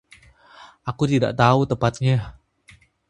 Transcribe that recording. Aku tidak tahu tepatnya.